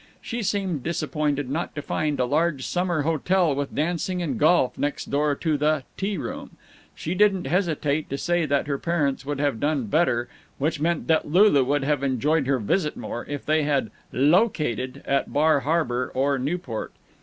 She seemed disappointed not to find a large summer hotel with dancing and golf next door to "The T Room," and she didn't hesitate to say that her parents would have done better which meant that Lulu would have enjoyed her visit more if they had "located" at Bar Harbor or Newport.